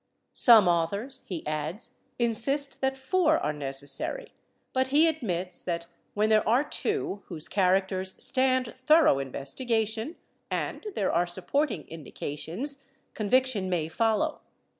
Some authors, he adds, insist that four are necessary, but he admits that, wdien there are two wdiose characters stand thorough investigation and there are supporting indications, conviction may follow.